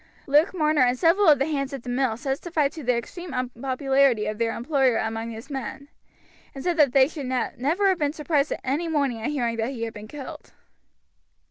Luke Marner and several of the hands at the mill testified to the extreme unpopularity of their employer among his men, and said that they should never have been surprised any morning at hearing that he had been killed.